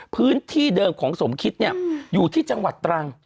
พื้นที่เดิมของสมคิดอยู่ที่จังหวัดตรัง